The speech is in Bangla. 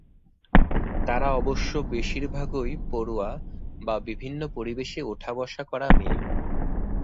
তারা অবশ্য বেশির ভাগই পড়ুয়া বা বিভিন্ন পরিবেশে ওঠা-বসা করা মেয়ে।